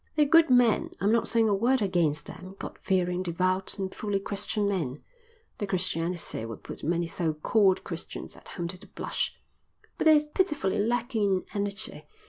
They're good men, I'm not saying a word against them, God fearing, devout, and truly Christian men their Christianity would put many so called Christians at home to the blush but they're pitifully lacking in energy.